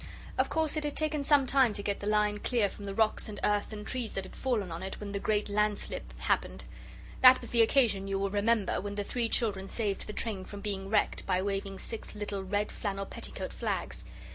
Of course it had taken some time to get the line clear from the rocks and earth and trees that had fallen on it when the great landslip happened. That was the occasion, you will remember, when the three children saved the train from being wrecked by waving six little red flannel petticoat flags.